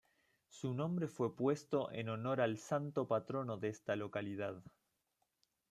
Su nombre fue puesto en honor al Santo Patrono de esta localidad.